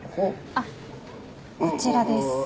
あっこちらです